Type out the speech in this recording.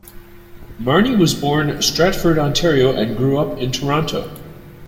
Marni was born Stratford, Ontario and grew up in Toronto.